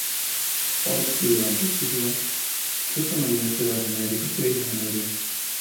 Hoy y durante siglos, su economía se basa en la agricultura y la ganadería.